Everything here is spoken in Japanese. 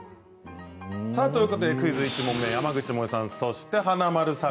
クイズ１問目山口もえさん、そして華丸さん